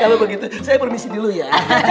kalau begitu saya permisi dulu ya